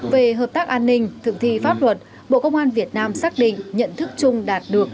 về hợp tác an ninh thực thi pháp luật bộ công an việt nam xác định nhận thức chung đạt được